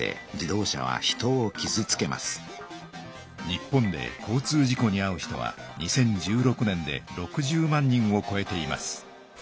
日本で交通事故にあう人は２０１６年で６０万人をこえています。